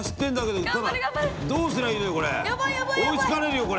追いつかれるよこれ。